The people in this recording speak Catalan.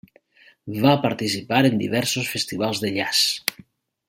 Va participar a diversos festivals de jazz.